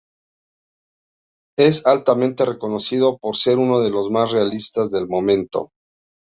Es altamente reconocido por ser uno de los más realistas del momento.